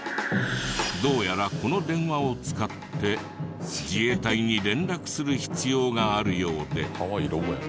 どうやらこの電話を使って自衛隊に連絡する必要があるようで。